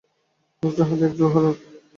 লোকটার হাতে একটা লোহার রড।